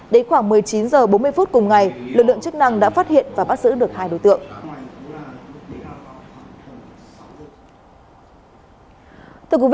đến khoảng một mươi chín h bốn mươi phút cùng ngày lực lượng chức năng đã phát hiện và bắt giữ được hai đối tượng